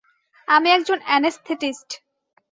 আমি একজন অ্যানেস্থেটিস্ট।